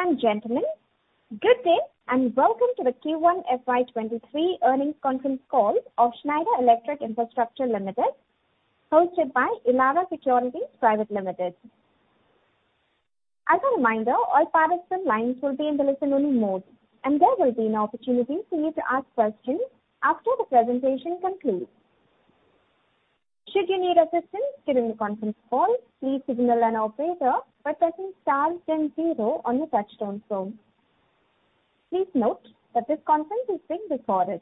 Ladies and gentlemen, good day, and welcome to the Q1 FY2023 Earnings Conference Call of Schneider Electric Infrastructure Limited, hosted by Elara Securities Private Limited. As a reminder, all participant lines will be in the listen-only mode, and there will be an opportunity for you to ask questions after the presentation concludes. Should you need assistance during the conference call, please signal an operator by pressing star ten zero on your touchtone phone. Please note that this conference is being recorded.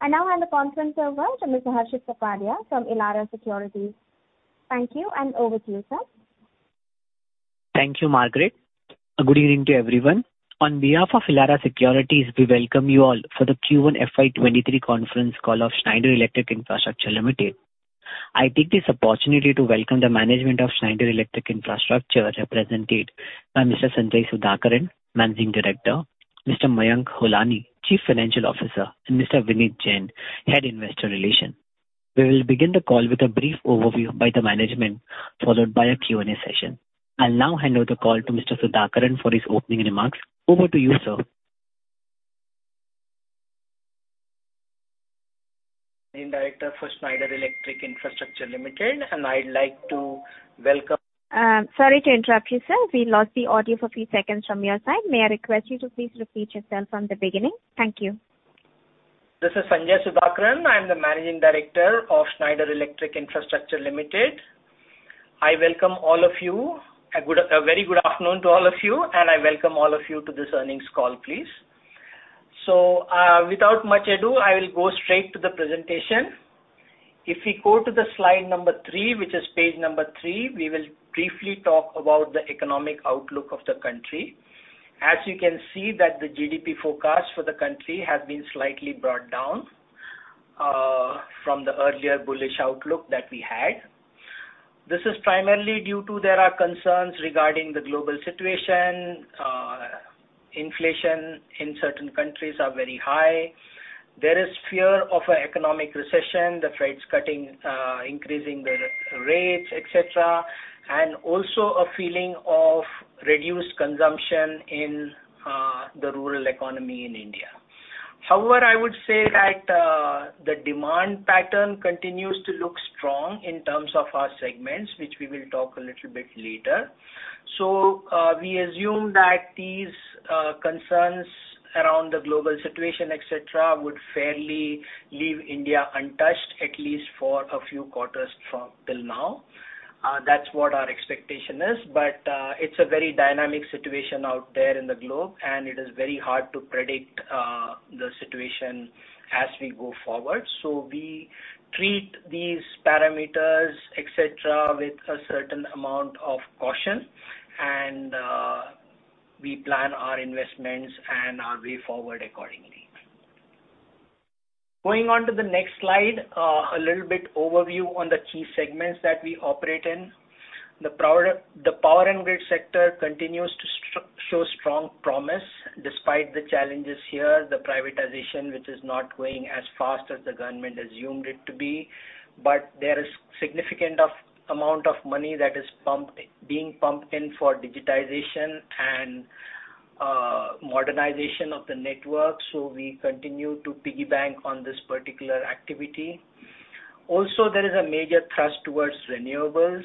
I now hand the conference over to Mr. Harshit Kapadia from Elara Securities. Thank you, and over to you, sir. Thank you, Margaret. Good evening to everyone. On behalf of Elara Securities, we welcome you all for the Q1 FY2023 conference call of Schneider Electric Infrastructure Limited. I take this opportunity to welcome the management of Schneider Electric Infrastructure, represented by Mr. Sanjay Sudhakaran, Managing Director, Mr. Mayank Holani, Chief Financial Officer, and Mr. Vineet Jain, Head Investor Relations. We will begin the call with a brief overview by the management, followed by a Q&A session. I'll now hand over the call to Mr. Sudhakaran for his opening remarks. Over to you, sir. Managing Director for Schneider Electric Infrastructure Limited, and I'd like to welcome. Sorry to interrupt you, sir. We lost the audio for a few seconds from your side. May I request you to please repeat yourself from the beginning? Thank you. This is Sanjay Sudhakaran. I'm the Managing Director of Schneider Electric Infrastructure Limited. I welcome all of you. A very good afternoon to all of you, and I welcome all of you to this earnings call, please. Without much ado, I will go straight to the presentation. If we go to the slide number three, which is page number three, we will briefly talk about the economic outlook of the country. As you can see that the GDP forecast for the country has been slightly brought down from the earlier bullish outlook that we had. This is primarily due to there are concerns regarding the global situation. Inflation in certain countries are very high. There is fear of an economic recession, the Fed cutting, increasing the rates, et cetera, and also a feeling of reduced consumption in the rural economy in India. However, I would say that the demand pattern continues to look strong in terms of our segments, which we will talk a little bit later. We assume that these concerns around the global situation, et cetera, would fairly leave India untouched, at least for a few quarters from till now. That's what our expectation is. It's a very dynamic situation out there in the globe, and it is very hard to predict the situation as we go forward. We treat these parameters, et cetera, with a certain amount of caution and we plan our investments and our way forward accordingly. Going on to the next slide. A little bit overview on the key segments that we operate in. The power and grid sector continues to show strong promise despite the challenges here, the privatization, which is not going as fast as the government assumed it to be. There is a significant amount of money being pumped in for digitization and modernization of the network. We continue to piggyback on this particular activity. There is also a major thrust towards renewables.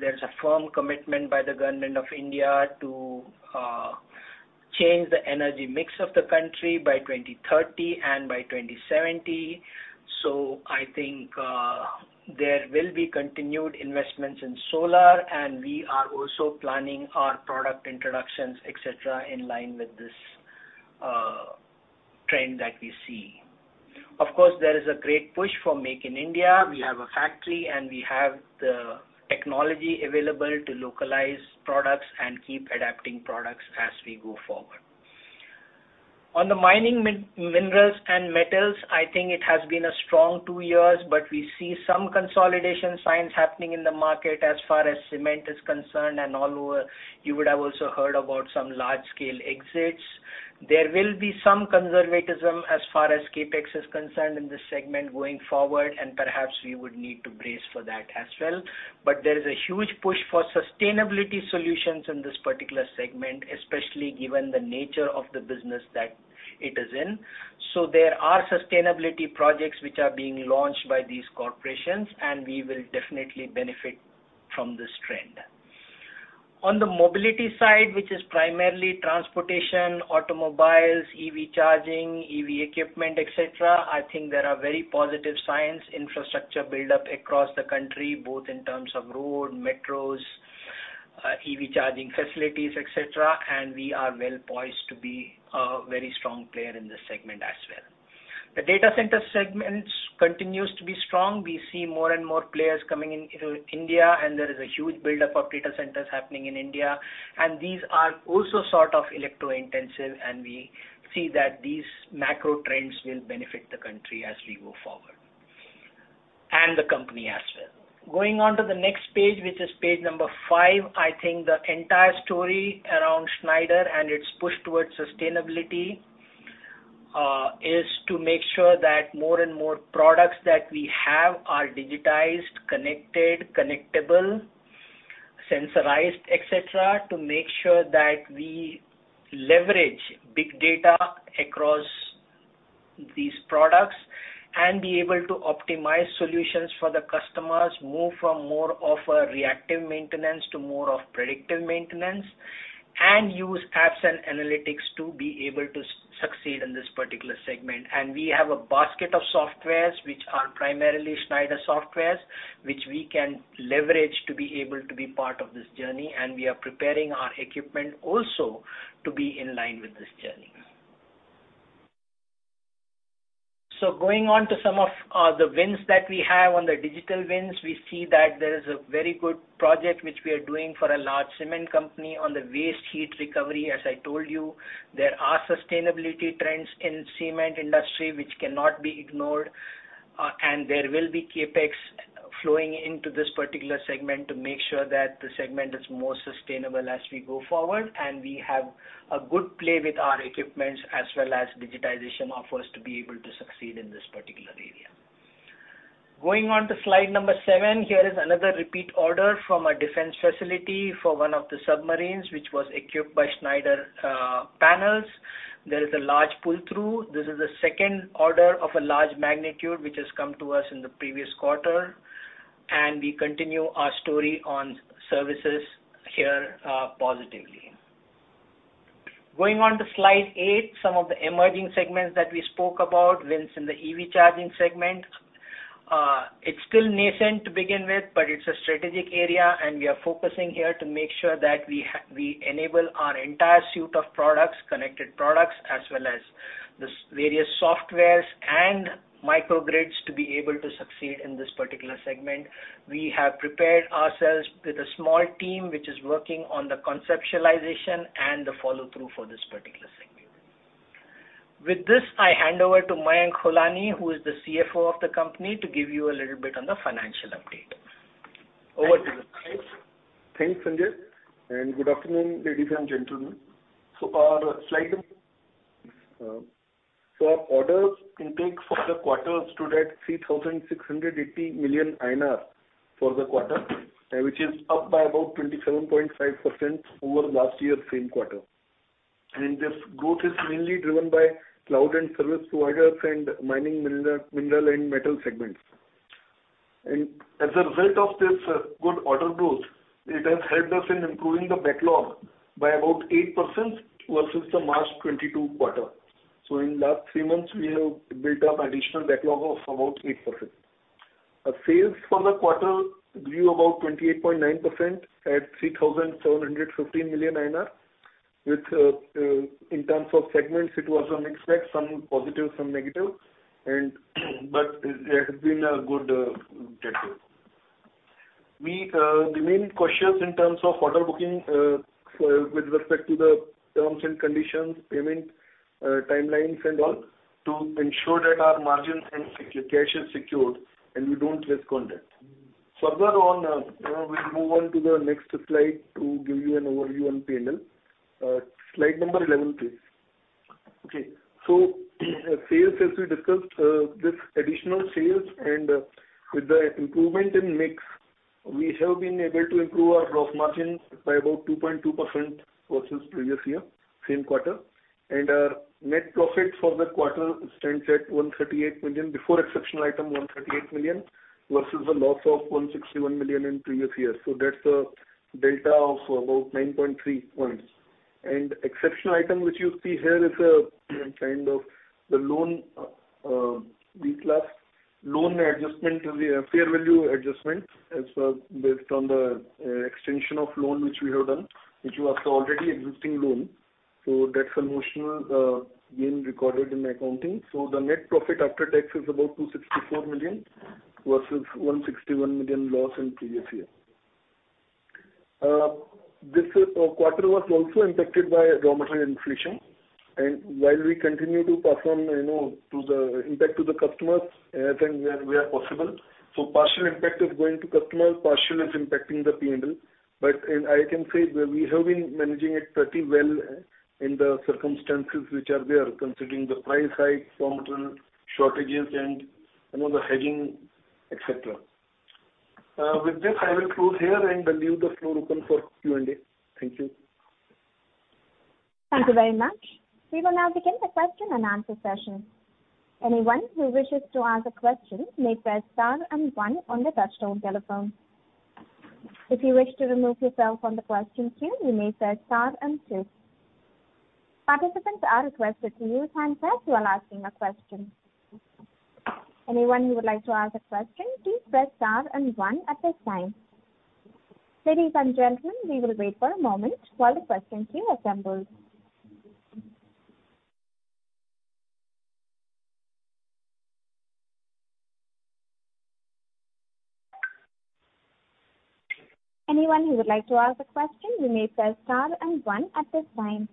There is a firm commitment by the Government of India to change the energy mix of the country by 2030 and by 2070. I think there will be continued investments in solar, and we are also planning our product introductions, et cetera, in line with this trend that we see. Of course, there is a great push for Make in India. We have a factory, and we have the technology available to localize products and keep adapting products as we go forward. On the mining minerals and metals, I think it has been a strong two years, but we see some consolidation signs happening in the market as far as cement is concerned and all over. You would have also heard about some large-scale exits. There will be some conservatism as far as CapEx is concerned in this segment going forward, and perhaps we would need to brace for that as well. There is a huge push for sustainability solutions in this particular segment, especially given the nature of the business that it is in. There are sustainability projects which are being launched by these corporations, and we will definitely benefit from this trend. On the mobility side, which is primarily transportation, automobiles, EV charging, EV equipment, et cetera, I think there are very positive signs, infrastructure build-up across the country, both in terms of road, metros, EV charging facilities, et cetera, and we are well poised to be a very strong player in this segment as well. The data center segments continues to be strong. We see more and more players coming in to India, and there is a huge build-up of data centers happening in India. These are also sort of electro-intensive, and we see that these macro trends will benefit the country as we go forward, and the company as well. Going on to the next page, which is page number five. I think the entire story around Schneider and its push towards sustainability is to make sure that more and more products that we have are digitized, connected, connectable, sensorized, et cetera, to make sure that we leverage big data across these products and be able to optimize solutions for the customers. Move from more of a reactive maintenance to more of predictive maintenance, and use apps and analytics to be able to succeed in this particular segment. We have a basket of softwares which are primarily Schneider softwares, which we can leverage to be able to be part of this journey. We are preparing our equipment also to be in line with this journey. Going on to some of the wins that we have. On the digital wins, we see that there is a very good project which we are doing for a large cement company on the waste heat recovery. As I told you, there are sustainability trends in cement industry which cannot be ignored. And there will be CapEx flowing into this particular segment to make sure that the segment is more sustainable as we go forward. We have a good play with our equipments as well as digitization offers to be able to succeed in this particular area. Going on to slide number seven, here is another repeat order from a defense facility for one of the submarines, which was equipped by Schneider panels. There is a large pull-through. This is the second order of a large magnitude which has come to us in the previous quarter, and we continue our story on services here positively. Going on to slide eight, some of the emerging segments that we spoke about, wins in the EV charging segment. It's still nascent to begin with, but it's a strategic area, and we are focusing here to make sure that we enable our entire suite of products, connected products, as well as the various softwares and microgrids to be able to succeed in this particular segment. We have prepared ourselves with a small team which is working on the conceptualization and the follow-through for this particular segment. With this, I hand over to Mayank Holani, who is the CFO of the company, to give you a little bit on the financial update. Over to you. Thanks, Sanjay. Good afternoon, ladies and gentlemen. Our orders intake for the quarter stood at 3,680 million INR for the quarter, which is up by about 27.5% over last year's same quarter. This growth is mainly driven by cloud and service providers and mining, mineral and metal segments. As a result of this good order growth, it has helped us in improving the backlog by about 8% versus the March 2022 quarter. In last three months we have built up additional backlog of about 8%. Our sales for the quarter grew about 28.9% at 3,715 million INR, which in terms of segments, it was a mixed bag, some positive, some negative. It has been a good quarter. We remain cautious in terms of order booking, with respect to the terms and conditions, payment, timelines and all, to ensure that our margins and cash is secured and we don't risk on that. Further on, you know, we'll move on to the next slide to give you an overview on P&L. Slide number 11, please. Okay. Sales, as we discussed, with additional sales and with the improvement in mix, we have been able to improve our gross margins by about 2.2% versus previous year, same quarter. Our net profit for the quarter stands at 138 million, before exceptional item, 138 million, versus a loss of 161 million in previous year. That's a delta of about 9.3 points. Exceptional item, which you see here, is a kind of the loan, B lender loan adjustment in the fair value adjustment. It's based on the extension of loan which we have done, which was the already existing loan. That's a notional gain recorded in accounting. The net profit after tax is about 264 million versus 161 million loss in previous year. This quarter was also impacted by raw material inflation. While we continue to pass on, you know, the impact to the customers as and where possible. Partial impact is going to customers, partial is impacting the P&L. I can say we have been managing it pretty well in the circumstances which are there, considering the price hike, raw material shortages and, you know, the hedging, et cetera. With this, I will close here and leave the floor open for Q&A. Thank you. Thank you very much. We will now begin the question-and-answer session. Anyone who wishes to ask a question may press star and one on their touchtone telephone. If you wish to remove yourself from the question queue, you may press star and two. Participants are requested to use hands free while asking a question. Anyone who would like to ask a question, please press star and one at this time. Ladies and gentlemen, we will wait for a moment while the question queue assembles. Anyone who would like to ask a question, you may press star and one at this time.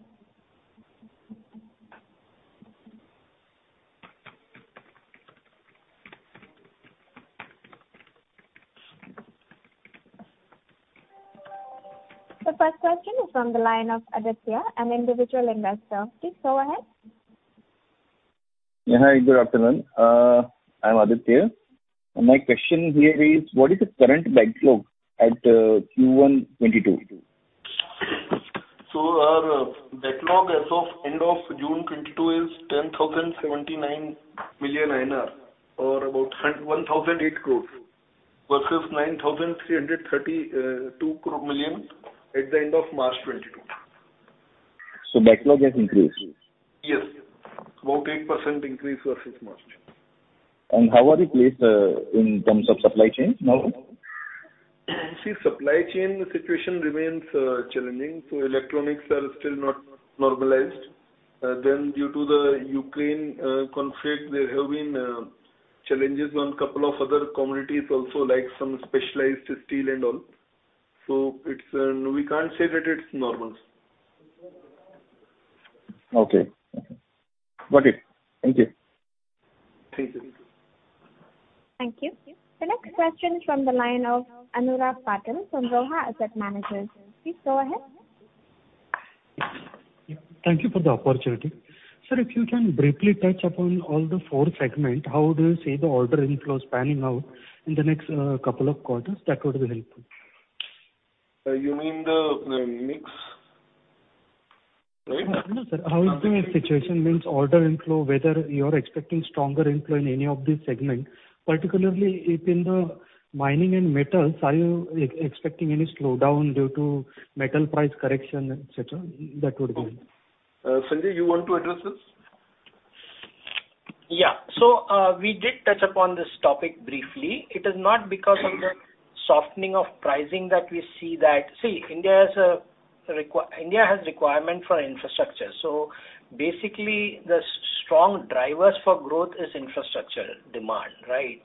The first question is from the line of Aditya, an individual investor. Please go ahead. Yeah, hi, good afternoon. I'm Aditya. My question here is, what is the current backlog at Q1 2022? Our backlog as of end of June 2022 is 10,079 million INR, or about 1,008 crore, versus 9,332 million at the end of March 2022. Backlog has increased? Yes. About 8% increase versus March. How are you placed, in terms of supply chain now? See, supply chain situation remains challenging, so electronics are still not normalized. Then due to the Ukraine conflict, there have been challenges on couple of other commodities also, like some specialized steel and all. It's no, we can't say that it's normal. Okay. Got it. Thank you. Thank you. Thank you. The next question from the line of Anurag Patil from Roha Asset Managers. Please go ahead. Thank you for the opportunity. Sir, if you can briefly touch upon all the four segment, how do you see the order inflow spanning out in the next, couple of quarters? That would be helpful. You mean the mix, right? No, no, sir. How is the situation? I mean order inflow, whether you're expecting stronger inflow in any of these segment. Particularly in the mining and metals, are you expecting any slowdown due to metal price correction, et cetera? That would be. Sanjay, you want to address this? Yeah. We did touch upon this topic briefly. It is not because of the softening of pricing that we see that. See, India has requirement for infrastructure. Basically, the strong drivers for growth is infrastructure demand, right?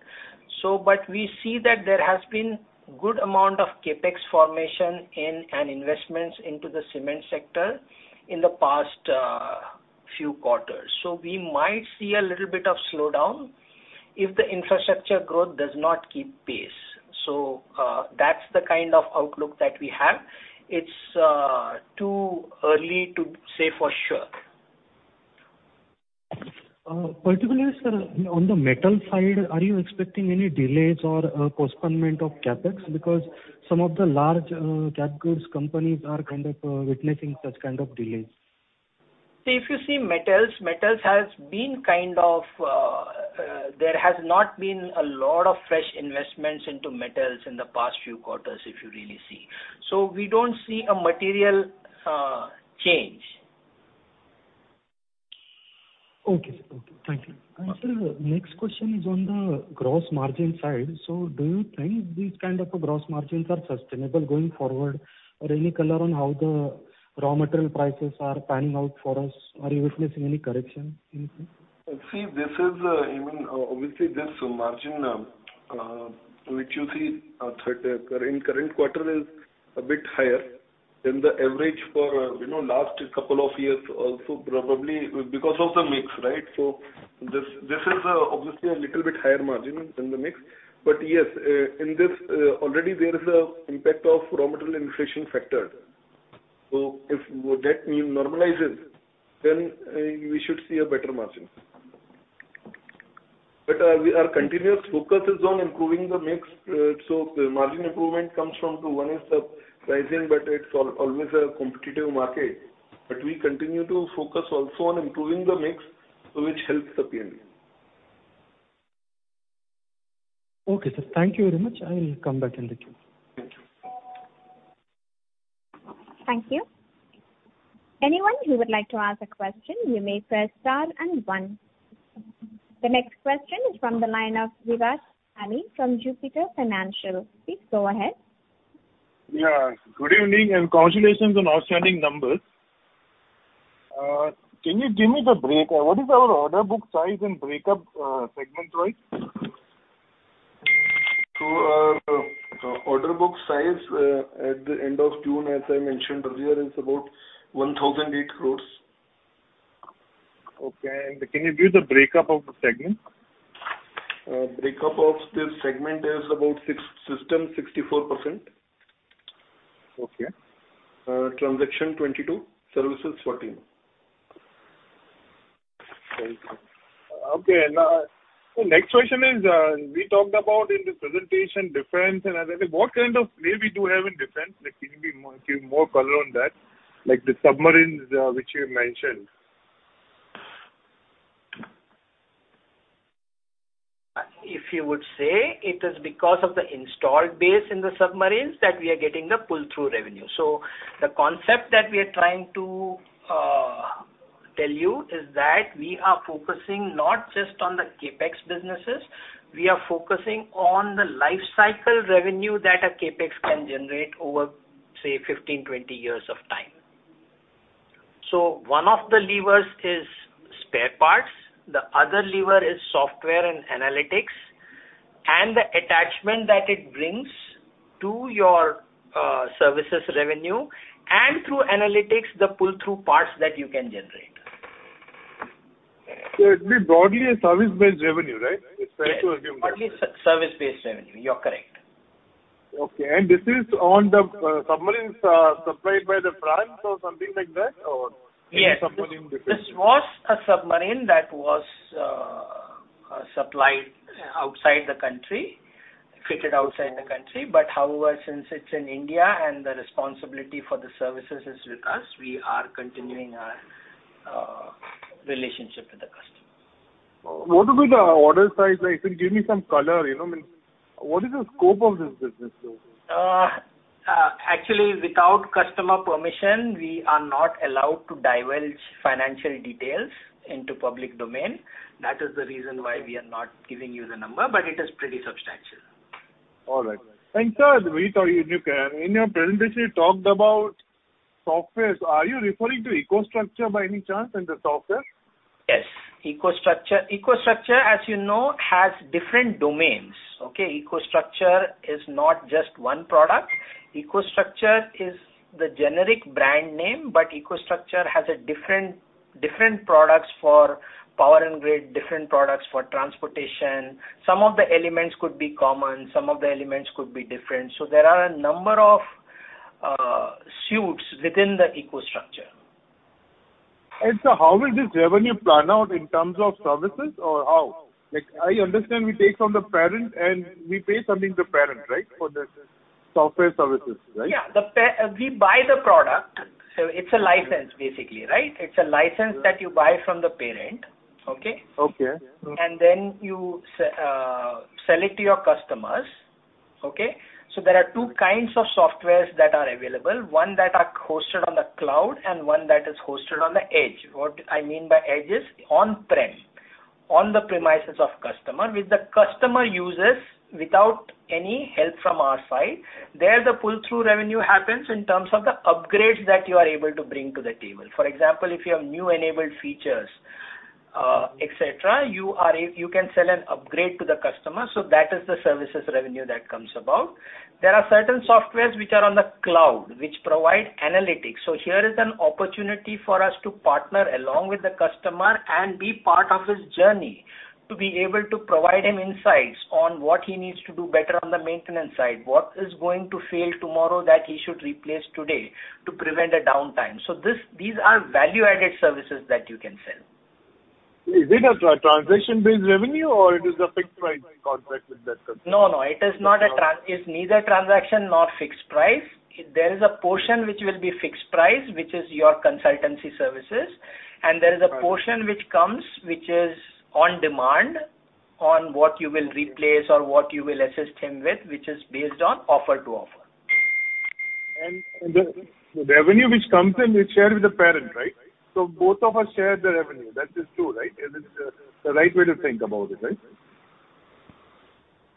But we see that there has been good amount of CapEx formation in, and investments into the cement sector in the past, few quarters. We might see a little bit of slowdown if the infrastructure growth does not keep pace. That's the kind of outlook that we have. It's too early to say for sure. Particularly, sir, on the metal side, are you expecting any delays or postponement of CapEx? Because some of the large cap goods companies are kind of witnessing such kind of delays. See, if you see metals, there has not been a lot of fresh investments into metals in the past few quarters, if you really see. We don't see a material change. Okay, sir. Okay. Thank you. Welcome. Sir, next question is on the gross margin side. Do you think these kind of gross margins are sustainable going forward? Any color on how the raw material prices are panning out for us? Are you witnessing any correction in this? See, this is even obviously this margin which you see current quarter is a bit higher than the average for, you know, last couple of years also probably because of the mix, right? This is obviously a little bit higher margin than the mix. Yes, in this already there is an impact of raw material inflation factored. If that normalizes, then we should see a better margin. Our continuous focus is on improving the mix. Margin improvement comes from the one is the pricing, but it's always a competitive market. We continue to focus also on improving the mix, so which helps the P&L. Okay, sir. Thank you very much. I'll come back in the queue. Thank you. Thank you. Anyone who would like to ask a question, you may press star and one. The next question is from the line of Viraj Mithani from Jupiter Financial. Please go ahead. Yeah, good evening and congratulations on outstanding numbers. What is our order book size and break up, segment-wise? Order book size at the end of June, as I mentioned earlier, is about 1,008 crore. Okay. Can you give the breakup of the segment? Breakup of this segment is about six systems, 64%. Okay. Transaction 22, services 14. Thank you. Okay, next question is, we talked about in the presentation, defense and other thing. What kind of play we do have in defense? Like, can you give more color on that? Like the submarines, which you mentioned. If you would say, it is because of the installed base in the submarines that we are getting the pull-through revenue. The concept that we are trying to tell you is that we are focusing not just on the CapEx businesses, we are focusing on the life cycle revenue that a CapEx can generate over, say, 15, 20 years of time. One of the levers is spare parts, the other lever is software and analytics, and the attachment that it brings to your services revenue, and through analytics, the pull-through parts that you can generate. It'll be broadly a service-based revenue, right? It's fair to assume that. Yes. Broadly service-based revenue. You're correct. Okay. This is on the submarines supplied by France or something like that, or? Yes. In submarine defense. This was a submarine that was supplied outside the country, fitted outside the country. However, since it's in India and the responsibility for the services is with us, we are continuing our relationship with the customer. What would be the order size, like if you give me some color, you know what I mean? What is the scope of this business though? Actually, without customer permission, we are not allowed to divulge financial details into public domain. That is the reason why we are not giving you the number, but it is pretty substantial. All right. Sir, we thought, in your presentation, you talked about software. Are you referring to EcoStruxure by any chance in the software? Yes. EcoStruxure. EcoStruxure, as you know, has different domains. Okay? EcoStruxure is not just one product. EcoStruxure is the generic brand name, but EcoStruxure has different products for power and grid, different products for transportation. Some of the elements could be common, some of the elements could be different. There are a number of suites within the EcoStruxure. Sir, how will this revenue plan out in terms of services or how? Like, I understand we take from the parent and we pay something to parent, right? For the software services, right? Yeah. We buy the product. It's a license basically, right? It's a license that you buy from the parent. Okay? Okay. You sell it to your customers. Okay? There are two kinds of softwares that are available. One that are hosted on the cloud and one that is hosted on the edge. What I mean by edge is on-prem, on the premises of customer, which the customer uses without any help from our side. There, the pull-through revenue happens in terms of the upgrades that you are able to bring to the table. For example, if you have new enabled features, et cetera, you can sell an upgrade to the customer, so that is the services revenue that comes about. There are certain softwares which are on the cloud, which provide analytics. Here is an opportunity for us to partner along with the customer and be part of his journey, to be able to provide him insights on what he needs to do better on the maintenance side, what is going to fail tomorrow that he should replace today to prevent a downtime. These are value-added services that you can sell. Is it a transaction-based revenue or it is a fixed price contract with that customer? No, no. It's neither transaction nor fixed price. There is a portion which will be fixed price, which is your consultancy services. Right. There is a portion which comes, which is on demand on what you will replace or what you will assist him with, which is based on offer to offer. The revenue which comes in, you share with the parent, right? Both of us share the revenue. That is true, right? Is it the right way to think about it, right?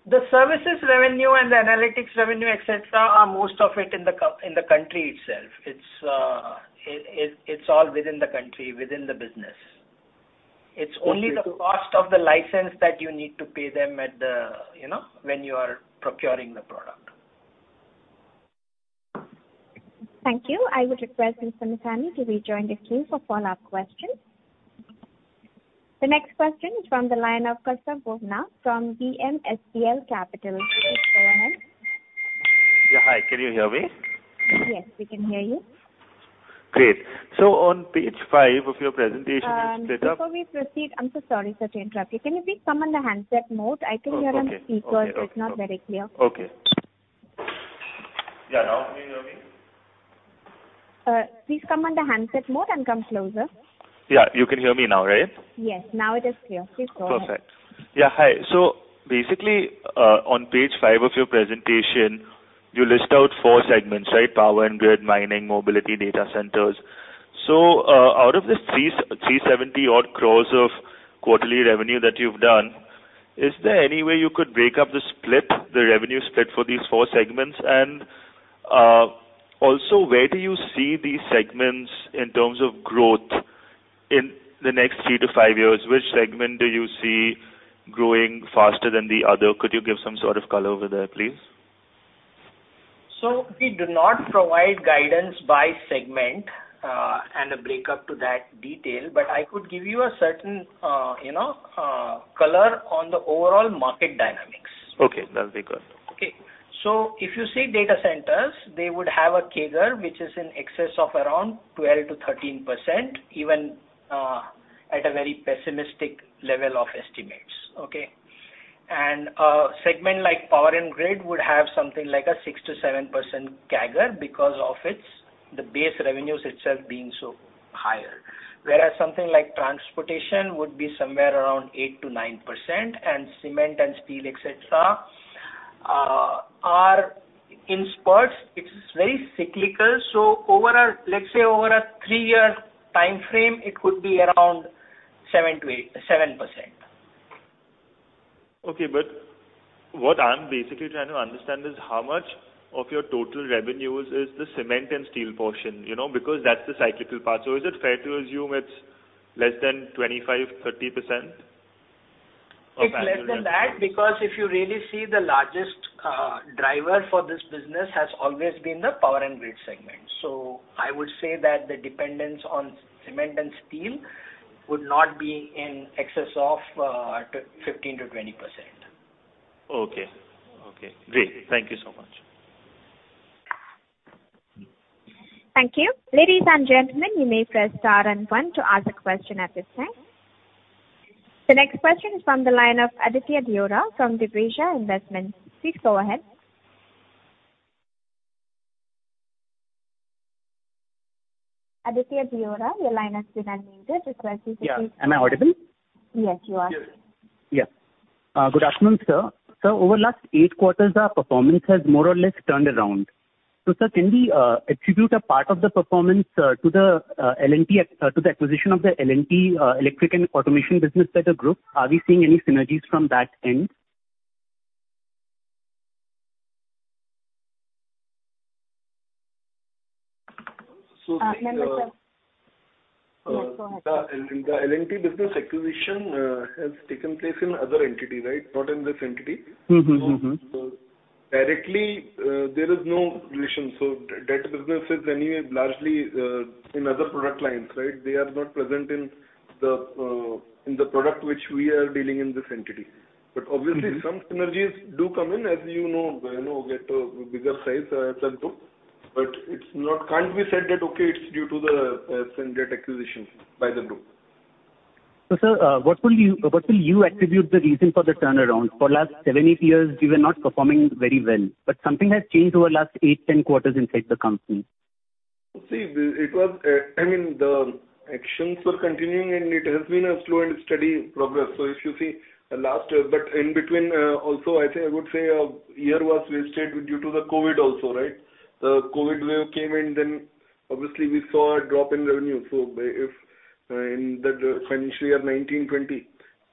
The services revenue and the analytics revenue, et cetera, are most of it in the country itself. It's all within the country, within the business. Okay. It's only the cost of the license that you need to pay them at the, you know, when you are procuring the product. Thank you. I would request Mr. Mithani to rejoin the queue for follow-up questions. The next question is from the line of Kaustav Bubna from BMSPL Capital. Please go ahead. Yeah. Hi. Can you hear me? Yes, we can hear you. Great. On page five of your presentation, it's data. Before we proceed, I'm so sorry, sir, to interrupt you. Can you please come on the handset mode? I can't hear on speaker. Oh, okay. Okay. It's not very clear. Okay. Yeah. Now can you hear me? Please come on the handset mode and come closer. Yeah. You can hear me now, right? Yes. Now it is clear. Please go ahead. Perfect. Yeah. Hi. Basically, on page five of your presentation, you list out four segments, right? Power and grid, mining, mobility, data centers. Out of this 370-odd crores of quarterly revenue that you've done, is there any way you could break up the split, the revenue split for these four segments? Also, where do you see these segments in terms of growth in the next three to five years? Which segment do you see growing faster than the other? Could you give some sort of color over there, please? We do not provide guidance by segment, and a breakup to that detail. I could give you a certain, you know, color on the overall market dynamics. Okay. That'll be good. Okay. If you see data centers, they would have a CAGR which is in excess of around 12%-13%, even at a very pessimistic level of estimates. Okay? A segment like power and grid would have something like a 6%-7% CAGR because of its, the base revenues itself being so high. Whereas something like transportation would be somewhere around 8%-9%, and cement and steel, et cetera, are in spurts. It's very cyclical. Over a, let's say, three-year timeframe, it could be around 7%-8%, 7%. Okay. What I'm basically trying to understand is how much of your total revenues is the cement and steel portion, you know, because that's the cyclical part. Is it fair to assume it's less than 25%-30%? It's less than that because if you really see the largest driver for this business has always been the power and grid segment. I would say that the dependence on cement and steel would not be in excess of 15%-20%. Okay. Great. Thank you so much. Thank you. Ladies and gentlemen, you may press star and one to ask a question at this time. The next question is from the line of Aditya Deorah from Divisha Investments. Please go ahead. Aditya Deorah, your line is still unmuted. Request you to please. Yeah. Am I audible? Yes, you are. Yes. Good afternoon, sir. Sir, over last eight quarters, our performance has more or less turned around. Sir, can we attribute a part of the performance to the acquisition of the L&T Electrical & Automation business as a group? Are we seeing any synergies from that end? So the, uh. Mayank, sir. Yes, go ahead. The L&T business acquisition has taken place in other entity, right? Not in this entity. Mm-hmm. Mm-hmm. Directly, there is no relation. That business is anyway largely in other product lines, right? They are not present in the product which we are dealing in this entity. Obviously some synergies do come in as you know get a bigger size as well, too. It can't be said that, okay, it's due to the Schneider acquisition by the group. Sir, what will you attribute the reason for the turnaround? For the last seven, eight years you were not performing very well, but something has changed over the last eight, 10 quarters inside the company. See, I mean, the actions were continuing and it has been a slow and steady progress. If you see the last. In between, also, I think I would say a year was wasted due to the COVID also, right? The COVID wave came in, then obviously we saw a drop in revenue. If in the financial year 2019-20.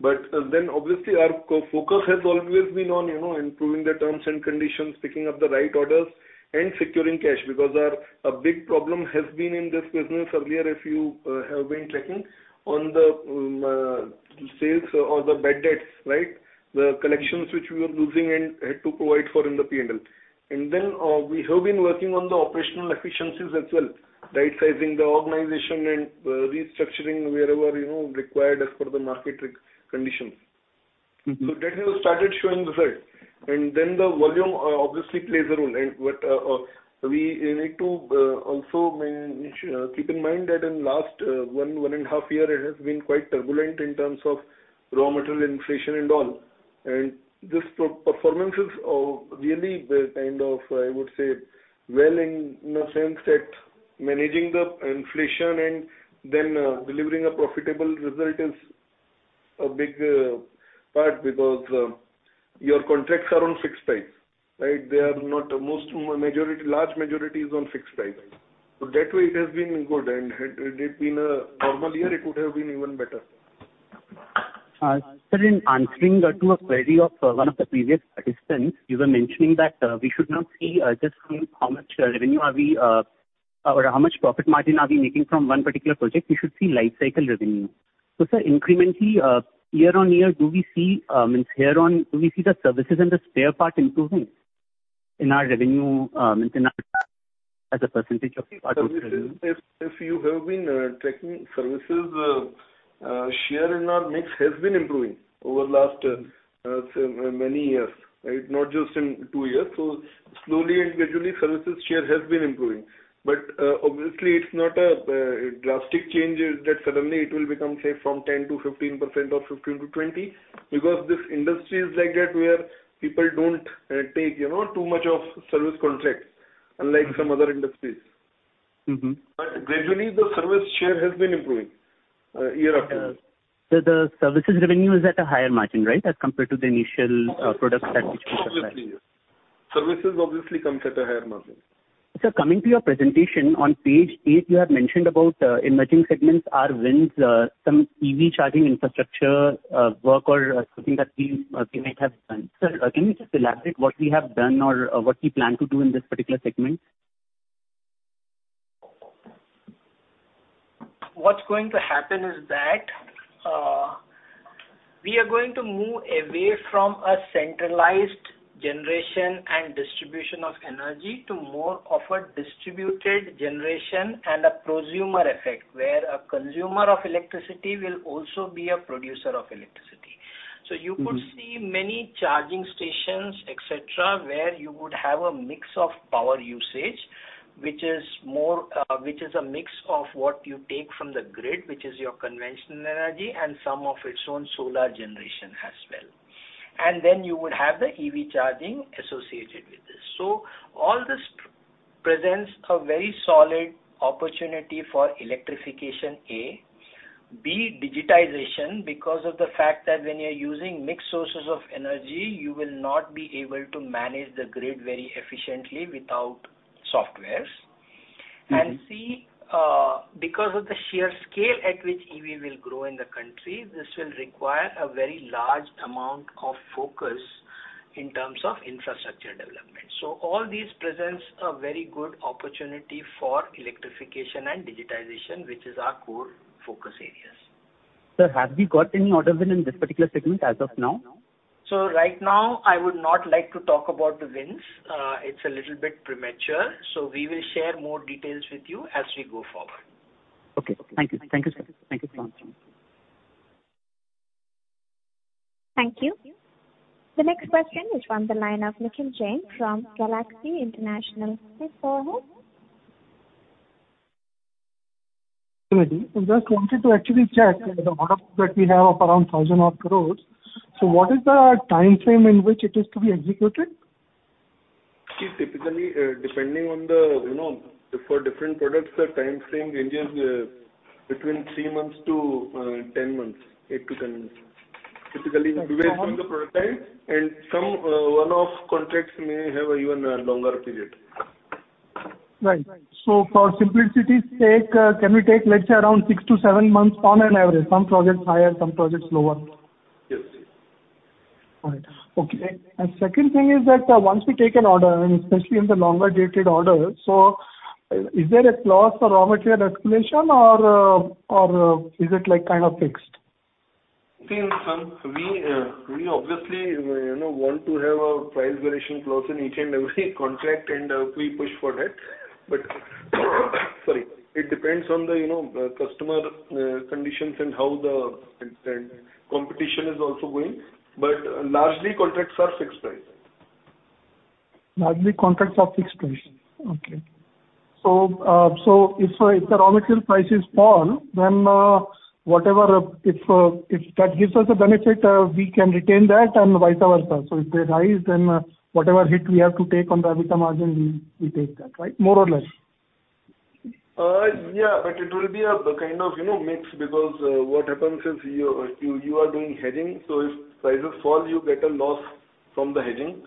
Our focus has always been on, you know, improving the terms and conditions, picking up the right orders and securing cash. A big problem has been in this business earlier, if you have been tracking the sales or the bad debts, right? The collections which we were losing and had to provide for in the P&L. We have been working on the operational efficiencies as well, rightsizing the organization and restructuring wherever, you know, required as per the market conditions. Mm-hmm. That has started showing results. Then the volume obviously plays a role. What we need to also keep in mind that in last one and a half years, it has been quite turbulent in terms of raw material inflation and all. This performance is really the kind of, I would say, well in a sense that managing the inflation and then delivering a profitable result is a big part because your contracts are on fixed price, right? They are not. Vast majority, large majority is on fixed price. That way it has been good. Had it been a normal year, it would have been even better. Sir, in answering to a query of one of the previous participants, you were mentioning that we should not see just how much revenue are we or how much profit margin are we making from one particular project. We should see life cycle revenue. Sir, incrementally, year on year, do we see the services and the spare part improving in our revenue as a percentage of part of our revenue? If you have been tracking services share in our mix has been improving over the last many years, right? Not just in two years. Slowly and gradually, services share has been improving. Obviously it's not a drastic change that suddenly it will become, say, from 10%-15% or 15%-20%, because this industry is like that where people don't take you know too much of service contracts unlike some other industries. Mm-hmm. Gradually the service share has been improving, year after year. The services revenue is at a higher margin, right, as compared to the initial products that we provide? Absolutely, yes. Services obviously comes at a higher margin. Sir, coming to your presentation, on page eight you have mentioned about, emerging segments are wins, some EV charging infrastructure, work or something that we might have done. Sir, can you just elaborate what we have done or, what we plan to do in this particular segment? What's going to happen is that, we are going to move away from a centralized generation and distribution of energy to more of a distributed generation and a prosumer effect, where a consumer of electricity will also be a producer of electricity. Mm-hmm. You could see many charging stations, et cetera, where you would have a mix of power usage, which is a mix of what you take from the grid, which is your conventional energy, and some of its own solar generation as well. Then you would have the EV charging associated with this. All this presents a very solid opportunity for electrification, A. B, digitization, because of the fact that when you're using mixed sources of energy, you will not be able to manage the grid very efficiently without software. Mm-hmm. C, because of the sheer scale at which EV will grow in the country, this will require a very large amount of focus. In terms of infrastructure development. All these presents a very good opportunity for electrification and digitization, which is our core focus areas. Sir, have we got any order win in this particular segment as of now? Right now, I would not like to talk about the wins. It's a little bit premature, so we will share more details with you as we go forward. Okay. Thank you. Thank you, sir. Thank you for answering. Thank you. The next question is from the line of Nikhil Jain from Galaxy International. Please go ahead. Good morning. I just wanted to actually check the orders that we have of around 1,000-odd crores. What is the timeframe in which it is to be executed? See, typically, depending on the, you know, for different products, the timeframe ranges between three months to 10 months, eight to 10 months. Typically the prototype and some one-off contracts may have even a longer period. Right. For simplicity's sake, can we take, let's say around six to seven months on an average, some projects higher, some projects lower? Yes. All right. Okay. Second thing is that, once we take an order, and especially in the longer-dated orders, so is there a clause for raw material escalation or is it like kind of fixed? See, sir, we obviously, you know, want to have a price variation clause in each and every contract, and we push for that. Sorry. It depends on the, you know, customer conditions and how the competition is also going. Largely contracts are fixed price. Largely contracts are fixed price. Okay. If the raw material prices fall then if that gives us a benefit we can retain that and vice versa. If they rise then whatever hit we have to take on the EBITDA margin we take that right? More or less. Yeah, it will be a kind of, you know, mix because what happens is you are doing hedging, so if prices fall, you get a loss from the hedging.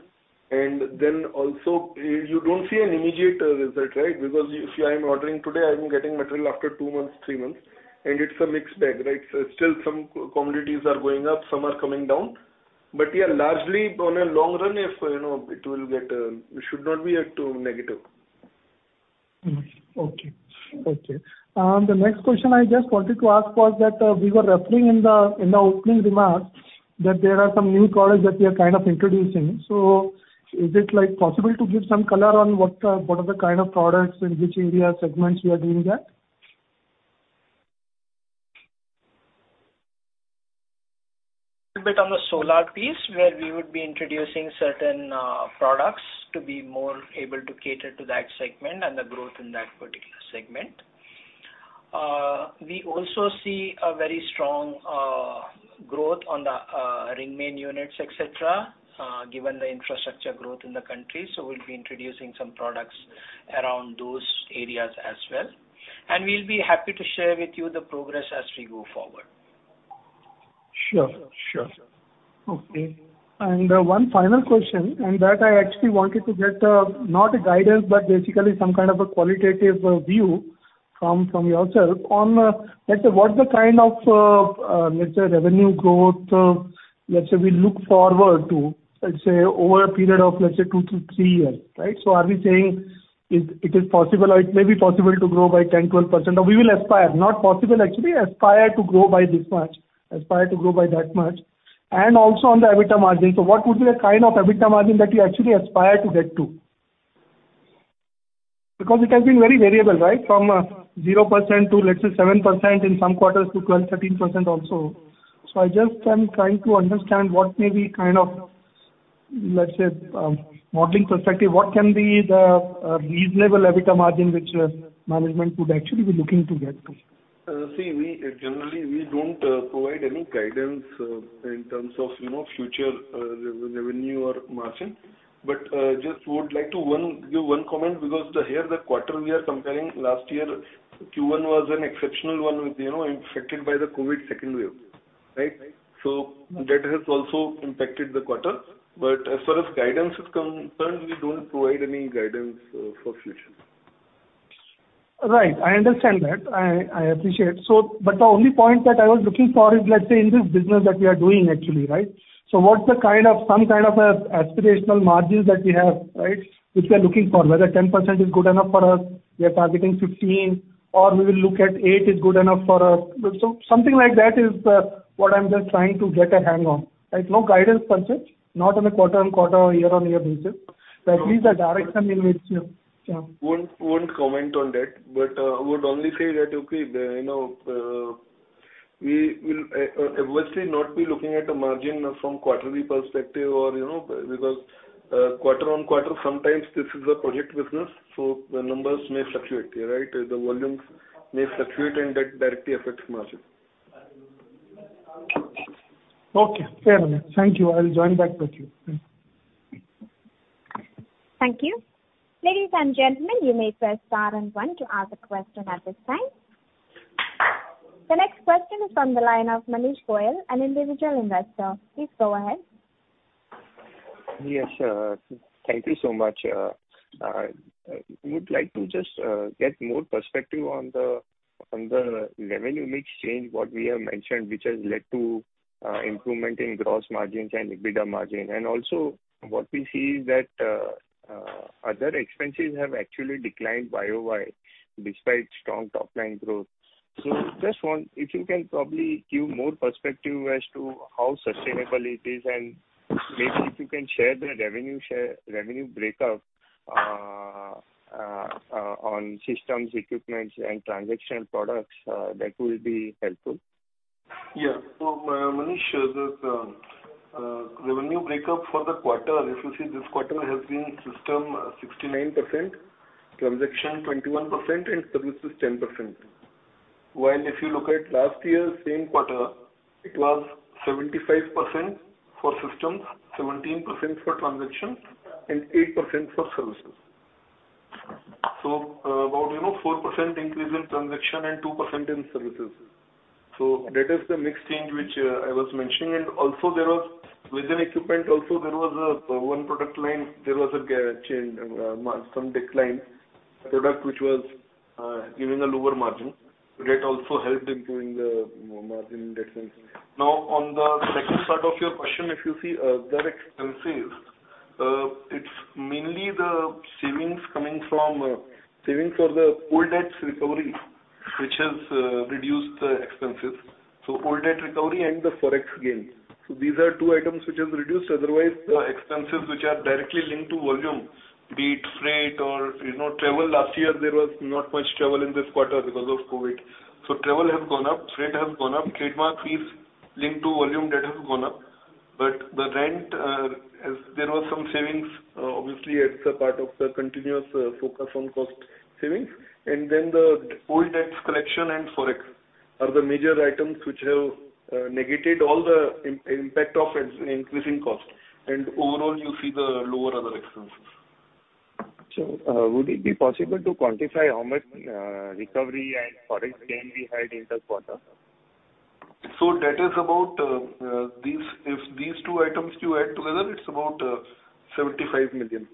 Then also, you don't see an immediate result, right? Because if I am ordering today, I am getting material after two months, three months, and it's a mixed bag, right? Still some commodities are going up, some are coming down. Yeah, largely on a long run, you know, it will get, it should not be too negative. Okay. The next question I just wanted to ask was that we were referring in the opening remarks that there are some new products that we are kind of introducing. Is it like possible to give some color on what are the kind of products and which area segments we are doing that? Bit on the solar piece, where we would be introducing certain products to be more able to cater to that segment and the growth in that particular segment. We also see a very strong growth on the Ring Main Units, et cetera, given the infrastructure growth in the country. We'll be introducing some products around those areas as well. We'll be happy to share with you the progress as we go forward. Sure. Okay. One final question, that I actually wanted to get, not a guidance, but basically some kind of a qualitative view from yourself on, let's say, what's the kind of, let's say revenue growth, let's say we look forward to, let's say, over a period of, let's say two to three years, right? So are we saying it is possible or it may be possible to grow by 10%-12%? Or we will aspire, not possible actually, aspire to grow by this much, aspire to grow by that much. Also on the EBITDA margin. So what would be the kind of EBITDA margin that you actually aspire to get to? Because it has been very variable, right? From 0% to, let's say, 7% in some quarters to 12%-13% also. I just am trying to understand what may be kind of, let's say, modeling perspective, what can be the reasonable EBITDA margin which management would actually be looking to get to? See, we generally don't provide any guidance in terms of, you know, future revenue or margin. Just would like to give one comment because the quarter we are comparing last year Q1 was an exceptional one, you know, impacted by the COVID second wave. Right? That has also impacted the quarter. As far as guidance is concerned, we don't provide any guidance for future. Right. I understand that. I appreciate. The only point that I was looking for is let's say in this business that we are doing actually, right? What's the kind of, some kind of aspirational margins that we have, right, which we are looking for, whether 10% is good enough for us, we are targeting 15, or we will look at eight is good enough for us. Something like that is what I'm just trying to get a hang on. Like no guidance per se, not on a quarter-over-quarter or year-over-year basis. At least the direction in which. Won't comment on that. I would only say that, okay, you know, we will obviously not be looking at a margin from quarterly perspective or, you know, because, quarter on quarter sometimes this is a project business, so the numbers may fluctuate, right? The volumes may fluctuate and that directly affects margin. Okay, fair enough. Thank you. I'll join back with you. Thank you. Ladies and gentlemen, you may press star and one to ask a question at this time. The next question is from the line of Manish Goyal, an individual investor. Please go ahead. Yes, thank you so much. Would like to just get more perspective on the On the revenue mix change, what we have mentioned, which has led to improvement in gross margins and EBITDA margin. Also what we see is that other expenses have actually declined YOY despite strong top-line growth. Just one, if you can probably give more perspective as to how sustainable it is, and maybe if you can share the revenue share, revenue breakup on systems, equipments and transaction products, that will be helpful. Yeah. Manish, the revenue break-up for the quarter, if you see this quarter has been systems 69%, transactions 21% and services 10%. While if you look at last year's same quarter, it was 75% for systems, 17% for transactions and 8% for services. So, about, you know, 4% increase in transactions and 2% in services. That is the mix change which I was mentioning. Also there was, within equipment also there was one product line. There was a generational change, some declining product which was giving a lower margin. That also helped improving the margin in that sense. Now, on the second part of your question, if you see that expenses, it's mainly the savings coming from savings for the old debt recovery, which has reduced the expenses. Old debt recovery and the Forex gain. These are two items which has reduced, otherwise the expenses which are directly linked to volume, be it freight or, you know, travel. Last year there was not much travel in this quarter because of COVID. Travel has gone up, freight has gone up, trademark fees linked to volume that has gone up. The rent, as there was some savings, obviously it's a part of the continuous focus on cost savings. The old debt collection and Forex are the major items which have negated all the impact of increasing cost. Overall you see the lower other expenses. Would it be possible to quantify how much recovery and Forex gain we had in the quarter? If you add these two items together, it's about 75 million.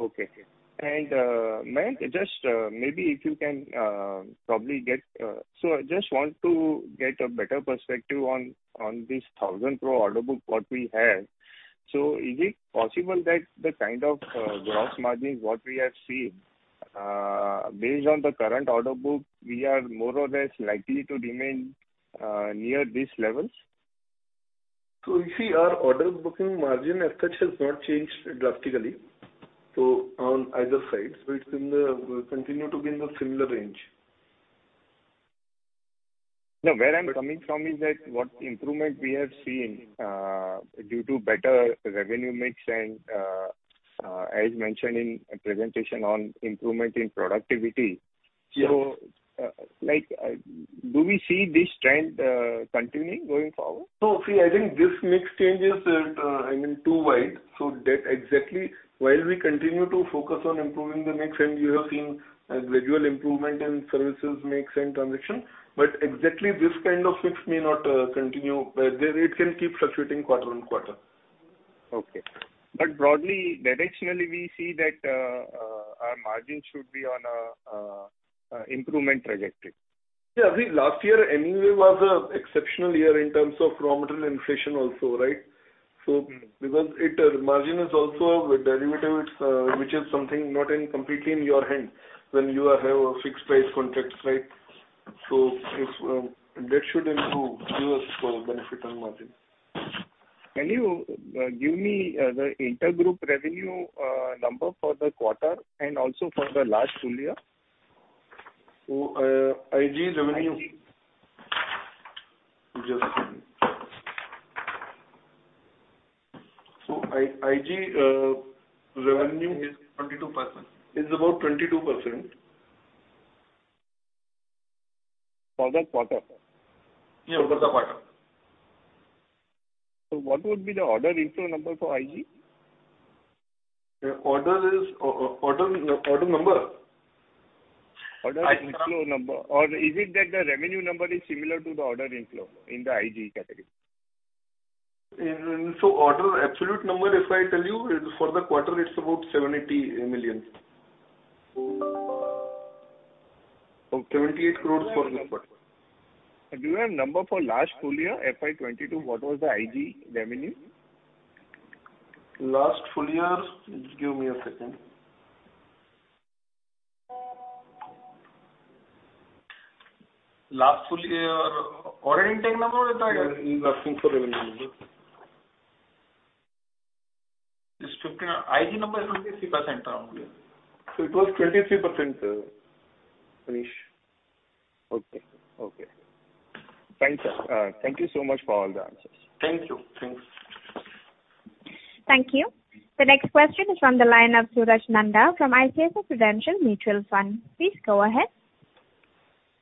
Okay. Mayank, I just want to get a better perspective on this 1,000 crore order book what we have. Is it possible that the kind of gross margins what we have seen based on the current order book, we are more or less likely to remain near these levels? You see our order booking margin as such has not changed drastically, so on either side. It's in the continue to be in the similar range. No, where I'm coming from is that what improvement we have seen, due to better revenue mix and, as mentioned in a presentation on improvement in productivity. Yeah. Like, do we see this trend continuing going forward? No, see, I think this mix changes, I mean, too wide. That exactly while we continue to focus on improving the mix, and you have seen a gradual improvement in services mix and transaction, but exactly this kind of mix may not continue. The rate can keep fluctuating quarter and quarter. Okay. Broadly, directionally, we see that our margins should be on an improvement trajectory. Yeah. I think last year anyway was an exceptional year in terms of raw material inflation also, right? Because margin is also a derivative, which is something not completely in your hand when you have fixed price contracts, right? If that should improve, give us benefit on margin. Can you give me the intergroup revenue number for the quarter and also for the last full year? IG revenue IG. Just a second. IG revenue. Is 22%. Is about 22%. For the quarter? Yeah, for the quarter. What would be the order inflow number for IG? The order is order number? Order inflow number. Is it that the revenue number is similar to the order inflow in the IG category? Order absolute number, if I tell you is for the quarter, it's about 78 million. 78 crores for the quarter. Do you have number for last full year, FY2022, what was the IG revenue? Last full year. Just give me a second. Last full year order intake number or the IG? I'm looking for revenue number. It's 59 IG number is 23% roughly. It was 23%, Manish. Okay. Thanks. Thank you so much for all the answers. Thank you. Thanks. Thank you. The next question is from the line of Suraj Nanda from ICICI Prudential Mutual Fund. Please go ahead.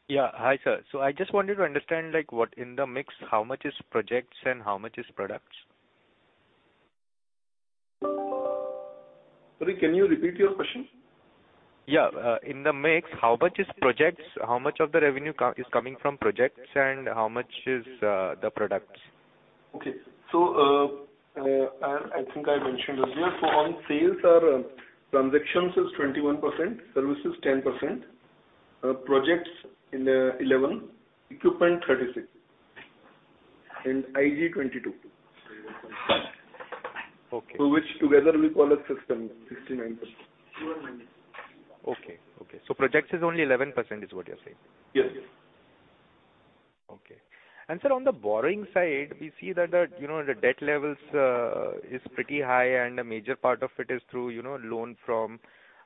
Yeah. Hi, sir. I just wanted to understand, like what in the mix, how much is projects and how much is products? Sorry, can you repeat your question? Yeah. In the mix, how much is projects, how much of the revenue is coming from projects and how much is the products? I think I mentioned earlier, on sales our transactions is 21%, service is 10%, projects is 11%, equipment 36%, and IG 22%. Okay. Which together we call a system, 69%. Okay. Projects is only 11% is what you're saying? Yes. Okay. Sir, on the borrowing side, we see that the you know the debt levels is pretty high, and a major part of it is through you know loan from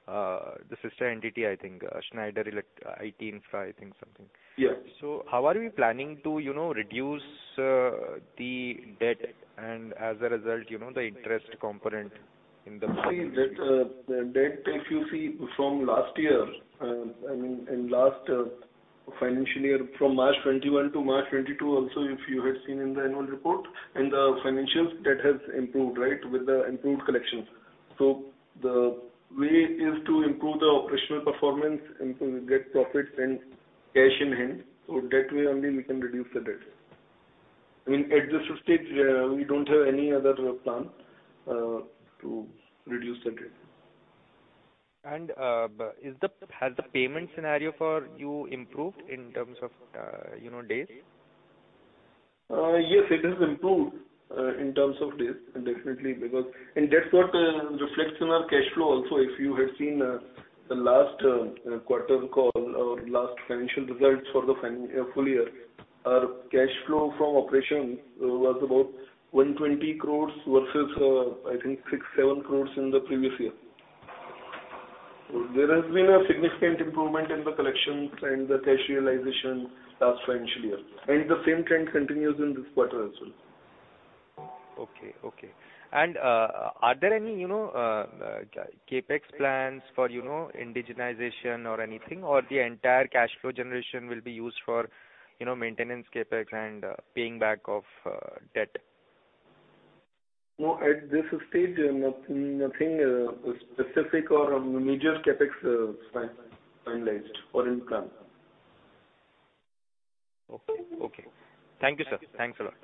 the sister entity, I think Schneider Electric IT Infra. Yes. How are you planning to, you know, reduce the debt and as a result, you know, the interest component in the. See that the debt, if you see from last year, I mean, in last financial year from March 2021 to March 2022 also, if you had seen in the annual report and the financials, debt has improved, right, with the improved collections. The way is to improve the operational performance and to get profits and cash in hand. That way only we can reduce the debt. I mean, at this stage, we don't have any other plan to reduce the debt. Has the payment scenario for you improved in terms of, you know, days? Yes, it has improved in terms of days, definitely, because that's what reflects in our cash flow also. If you had seen the last quarter call or last financial results for the full year, our cash flow from operations was about 120 crores versus, I think 6-7 crores in the previous year. There has been a significant improvement in the collections and the cash realization last financial year, and the same trend continues in this quarter as well. Okay. Are there any, you know, CapEx plans for, you know, indigenization or anything, or the entire cash flow generation will be used for, you know, maintenance CapEx and paying back of debt? No, at this stage, nothing specific or major CapEx finalized or in plan. Okay. Thank you, sir. Thanks a lot.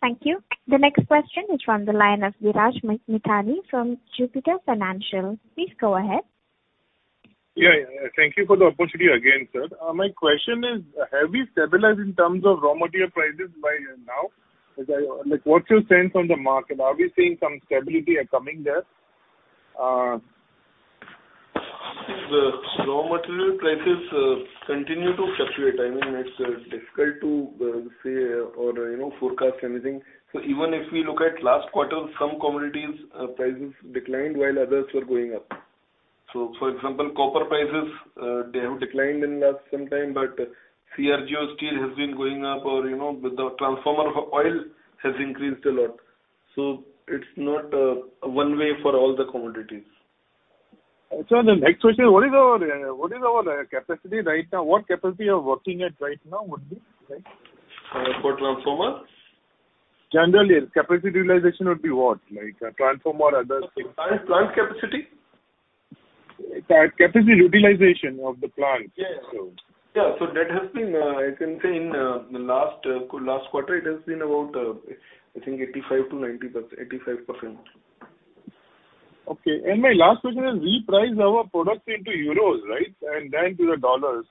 Thank you. The next question is from the line of Viraj Mithani from Jupiter Financial. Please go ahead. Yeah. Thank you for the opportunity again, sir. My question is, have you stabilized in terms of raw material prices by now? Like, what's your sense on the market? Are we seeing some stability coming there? The raw material prices continue to fluctuate. I mean, it's difficult to say or, you know, forecast anything. Even if we look at last quarter, some commodities prices declined while others were going up. For example, copper prices they have declined in last some time, but CRGO steel has been going up or, you know, the transformer oil has increased a lot. It's not one way for all the commodities. The next question, what is our capacity right now? What capacity are we working at right now only, right? For transformer? Generally, yeah. Capacity realization would be what? Like a transformer, other things. Plant capacity? Capacity utilization of the plant. Yeah, yeah. So. Yeah. That has been, I can say, in the last quarter, it has been about, I think, 85%. Okay. My last question is we price our products into euros, right? To the dollar.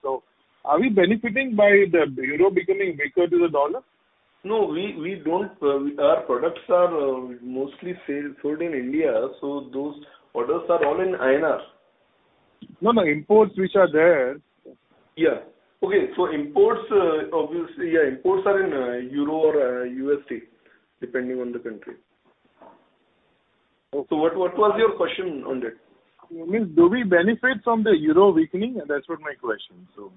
Are we benefiting by the euro becoming weaker to the dollar? No, we don't. Our products are mostly sold in India, so those orders are all in INR. No, no, imports which are there. Yeah. Okay. Imports, obviously, yeah, imports are in euro or USD, depending on the country. What was your question on that? I mean, do we benefit from the Euro weakening? That's what my question is, so.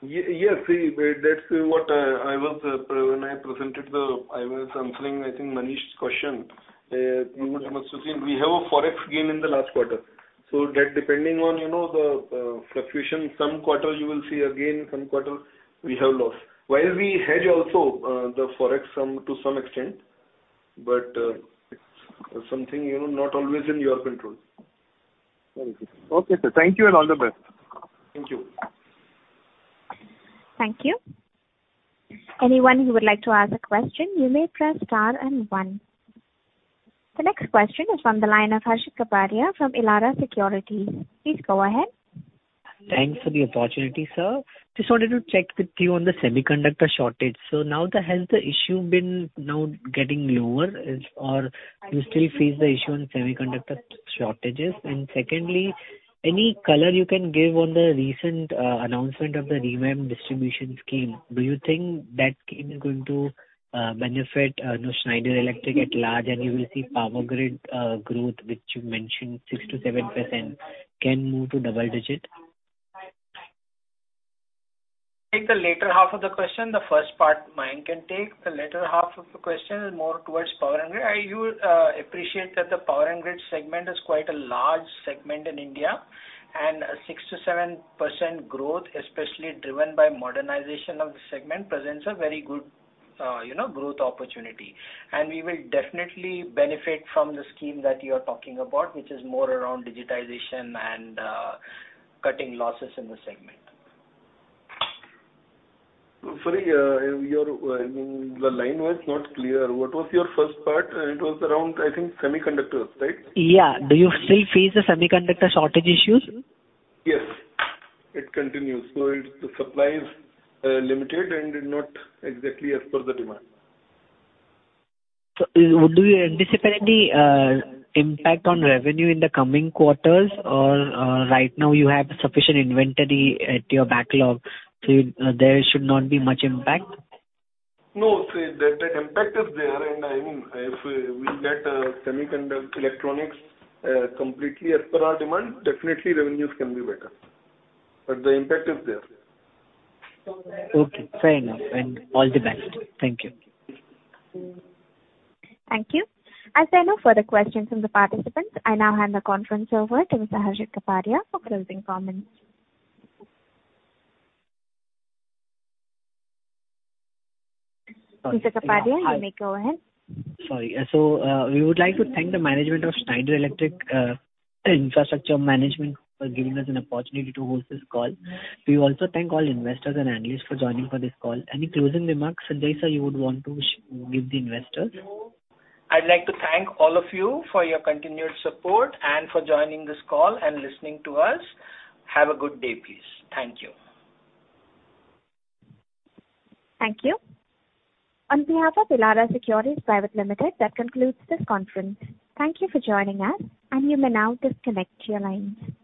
Yes. See, that's what I was answering, I think Manish's question. You must have seen, we have a Forex gain in the last quarter. That depending on, you know, the fluctuation, some quarters you will see a gain, some quarters we have loss. While we hedge also the Forex some to some extent, but it's something, you know, not always in your control. Thank you. Okay, sir. Thank you and all the best. Thank you. Thank you. Anyone who would like to ask a question, you may press star and one. The next question is from the line of Harshit Kapadia from Elara Securities. Please go ahead. Thanks for the opportunity, sir. Just wanted to check with you on the semiconductor shortage. Has the issue been getting lower now or you still face the issue on semiconductor shortages? Secondly, any color you can give on the recent announcement of the Revamped Distribution Sector Scheme. Do you think that scheme is going to benefit, you know, Schneider Electric at large, and you will see power grid growth, which you mentioned 6%-7%, can move to double-digit? Take the latter half of the question. The first part Mayank can take. The latter half of the question is more towards power and grid. You appreciate that the power and grid segment is quite a large segment in India, and 6%-7% growth, especially driven by modernization of the segment, presents a very good, you know, growth opportunity. We will definitely benefit from the scheme that you are talking about, which is more around digitization and cutting losses in the segment. Sorry, I mean, the line was not clear. What was your first part? It was around, I think, semiconductors, right? Yeah. Do you still face the semiconductor shortage issues? Yes. It continues. The supply is limited and not exactly as per the demand. Would you anticipate any impact on revenue in the coming quarters? Right now you have sufficient inventory at your backlog, so there should not be much impact? No. See, the impact is there and I mean, if we get semiconductor electronics completely as per our demand, definitely revenues can be better. But the impact is there. Okay. Fair enough. All the best. Thank you. Thank you. As there are no further questions from the participants, I now hand the conference over to Mr. Harshit Kapadia for closing comments. Mr. Kapadia. Sorry, yeah. You may go ahead. Sorry. We would like to thank the management of Schneider Electric Infrastructure Limited for giving us an opportunity to host this call. We also thank all investors and analysts for joining for this call. Any closing remarks, Sanjay, sir, you would want to give the investors? I'd like to thank all of you for your continued support and for joining this call and listening to us. Have a good day, please. Thank you. Thank you. On behalf of Elara Securities Private Limited, that concludes this conference. Thank you for joining us, and you may now disconnect your lines.